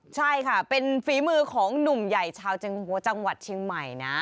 ใช่ค่ะเป็นฝีมือของหนุ่มใหญ่ชาวเจียงหัวจังหวัดเชียงใหม่นะ